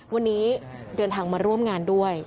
วันนี้เดินทางมาร่วมงานด้วย